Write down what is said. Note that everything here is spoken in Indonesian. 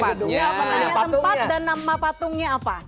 nanya tempat dan nama patungnya apa